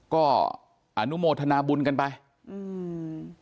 ก็อนุโมทนาบุญกันไปอืม